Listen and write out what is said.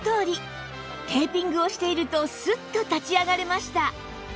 テーピングをしているとスッと立ち上がれました